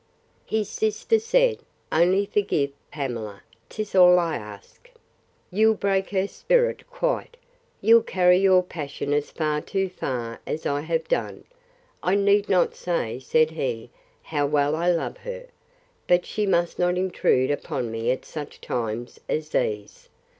His sister said, Only forgive Pamela; 'tis all I ask—You'll break her spirit quite!—You'll carry your passion as much too far as I have done!—I need not say, said he, how well I love her; but she must not intrude upon me at such times as these!